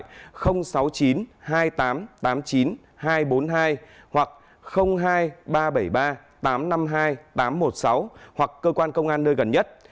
văn phòng cơ quan cảnh sát điều tra công an tỉnh số điện thoại một mươi chín hai mươi tám tám mươi chín hai trăm bốn mươi hai hoặc hai nghìn ba trăm bảy mươi ba tám trăm năm mươi hai tám trăm một mươi sáu hoặc cơ quan công an nơi gần nhất